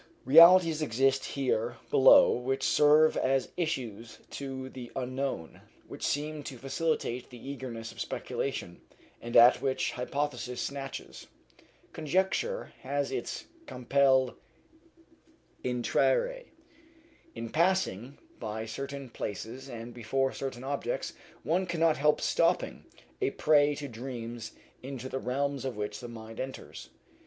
Realities exist here below which serve as issues to the unknown, which seem to facilitate the egress of speculation, and at which hypothesis snatches. Conjecture has its compelle intrare. In passing by certain places and before certain objects one cannot help stopping a prey to dreams into the realms of which the mind enters.